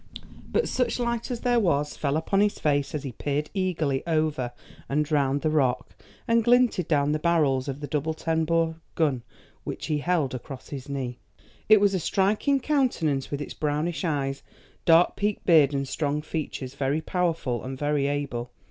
But such light as there was fell upon his face as he peered eagerly over and round the rock, and glinted down the barrels of the double ten bore gun which he held across his knee. It was a striking countenance, with its brownish eyes, dark peaked beard and strong features, very powerful and very able.